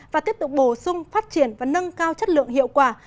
và tiếp tục bổ sung phát triển và nâng cao chất lượng hiệu quả